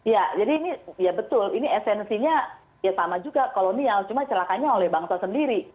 ya jadi ini ya betul ini esensinya ya sama juga kolonial cuma celakanya oleh bangsa sendiri